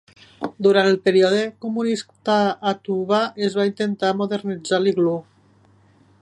Durant el període comunista a Tuva es va intentar "modernitzar" l'iglú.